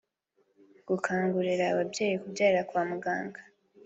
gukangurira ababyeyi kubyarira kwa muganga